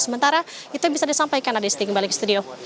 sementara itu bisa disampaikan ada disting kembali ke studio